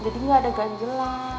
jadi gak ada ganjelan